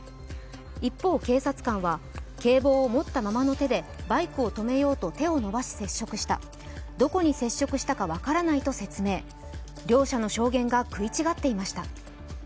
一方、警察官は、警棒を持ったままの手でバイクを止めようと手を伸ばし接触したどこに接触したか分からないと説明、両者の証言が食い違っていました。